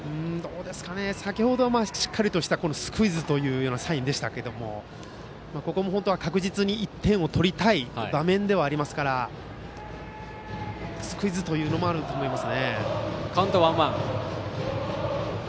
先程はしっかりとしたスクイズというサインでしたけどもここは確実に１点を取りたい場面ではありますからスクイズもあると思いますね。